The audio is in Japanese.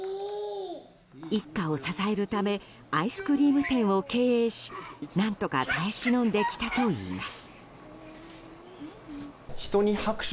一家を支えるためアイスクリーム店を経営し何とか耐え忍んできたといいます。